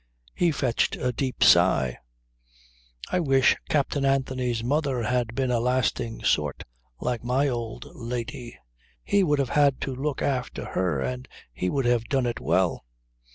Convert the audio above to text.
He fetched a deep sigh. "I wish Captain Anthony's mother had been a lasting sort like my old lady. He would have had to look after her and he would have done it well.